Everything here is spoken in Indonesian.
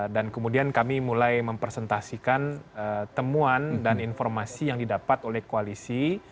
dan kemudian kami mulai mempresentasikan temuan dan informasi yang didapat oleh koalisi